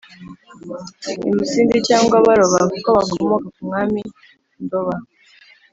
i musindi, cyangwa abaroba kuko bakomoka ku mwami ndoba.